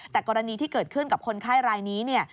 แต่กรณีที่เกิดขึ้นกับคนไข้รายนี้เนี่ย